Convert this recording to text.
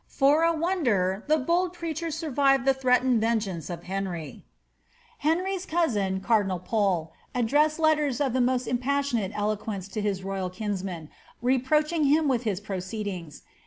"* For a wonder the bold preacher survived the threatened vengeance of Henry. Henry's cousin, cardinal Pole, addressed letters of the most impas sioned eloquence to his royal kinsman, reproaching him with his pro ceediugs.